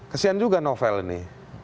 kesian juga novel ini